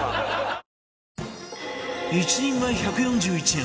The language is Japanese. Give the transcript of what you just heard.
１人前１４１円